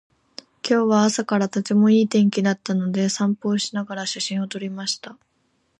今日は朝からとてもいい天気だったので、散歩をしながら写真を撮りました。